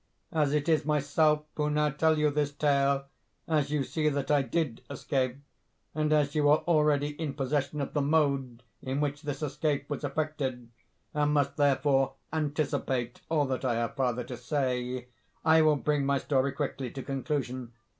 As it is myself who now tell you this tale—as you see that I did escape—and as you are already in possession of the mode in which this escape was effected, and must therefore anticipate all that I have farther to say—I will bring my story quickly to conclusion.